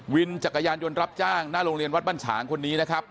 วินจักรยานยนต์รับจ้างหน้าโรงเรียนวัดบ้านฉางคนนี้นะครับ